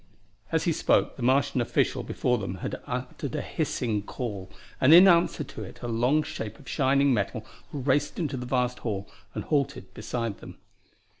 As he spoke, the Martian official before them had uttered a hissing call, and in answer to it a long shape of shining metal raced into the vast hall and halted beside them.